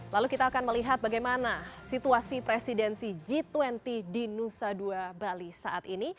lalu kita akan melihat bagaimana situasi presidensi g dua puluh di nusa dua bali saat ini